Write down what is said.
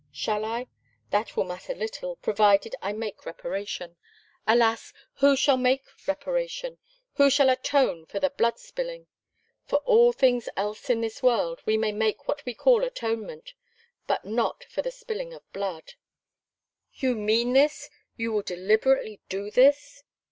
"Shall I? That will matter little, provided I make reparation. Alas! who shall make reparation who shall atone for the blood spilling? For all things else in this world we may make what we call atonement; but not for the spilling of blood." "You mean this? You will deliberately do this?"